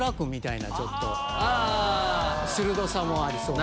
鋭さもありそうな。